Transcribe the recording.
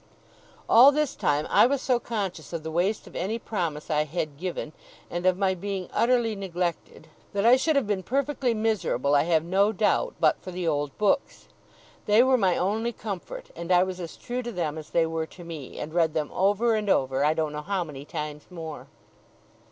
All this time I was so conscious of the waste of any promise I had given, and of my being utterly neglected, that I should have been perfectly miserable, I have no doubt, but for the old books. They were my only comfort; and I was as true to them as they were to me, and read them over and over I don't know how many times more.